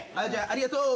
ありがとう！